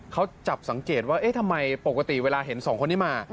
เขาจับสังเจติว่าทำไมปกติเวลาเห็น๒คนนี้มา